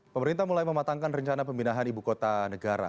pemerintah mulai mematangkan rencana pemindahan ibu kota negara